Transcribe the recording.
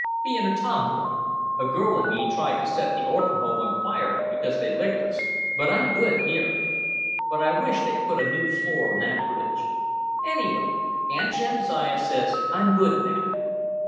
Being a tomboy? A girl and me tried to set the orphan home on fire because they licked us, but I'm good here. But I wish they'd put a new floor on that bridge. Anyway, Aunt Jamsiah says I'm good now."